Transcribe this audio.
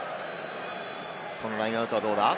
このラインアウトはどうだ？